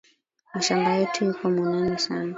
Mashamba yetu iko munene sana